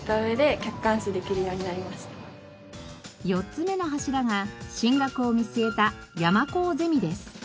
４つ目の柱が進学を見据えた山高ゼミです。